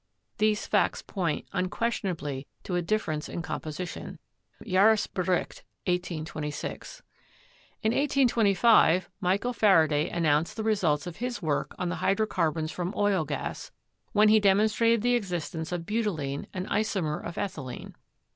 These facts point unquestionably to a difference in composition." ("Jahresbericht," 1826.) In 1825, Michael Faraday announced the results of his work on the hydrocarbons from oil gas, when he demon strated the existence of butylene, an isomer of ethylene.